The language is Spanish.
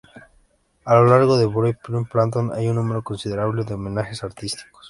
A lo largo de "Boogiepop Phantom" hay un número considerable de homenajes artísticos.